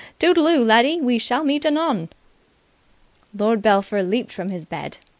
Toodle oo, laddie! We shall meet anon!" Lord Belpher leaped from his bed.